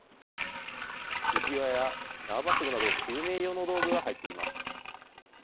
浮き輪や縄ばしごなど救命用の道具が入っています。